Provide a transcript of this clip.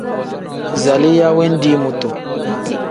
Zaliya wendii mutu.